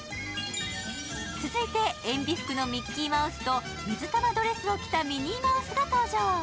続いてえんび服のミッキーマウスと水玉ドレスを着たミニーマウスが登場。